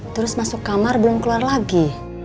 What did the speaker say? terus masuk kamar belum keluar lagi